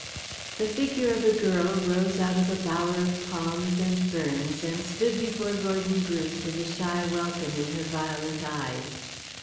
The figure of a girl rose out of a bower of palms and ferns and stood before Gordon Bruce with a shy welcome in her violet eyes.